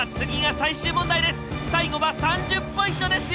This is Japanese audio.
最後は３０ポイントですよ！